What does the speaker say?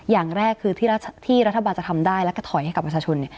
อย่างแรกคือที่รัฐบาลจะทำได้แล้วก็ถอยให้กับประชาชน